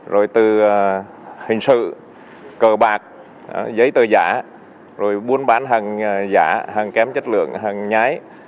rồi từ hình sự cờ bạc giấy tờ giả rồi buôn bán hàng giả hàng kém chất lượng hàng nhái